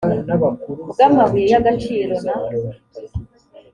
bw amabuye y agaciro na